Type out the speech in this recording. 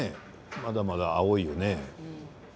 まだまだ青いよね。